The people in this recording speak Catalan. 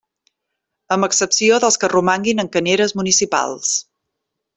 Amb excepció dels que romanguin en caneres municipals.